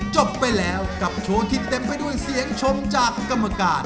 จบไปแล้วกับโชว์ที่เต็มไปด้วยเสียงชมจากกรรมการ